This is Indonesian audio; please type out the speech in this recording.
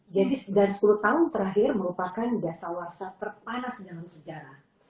jadi dari sepuluh tahun terakhir merupakan gasawasa terpanas dalam sejarah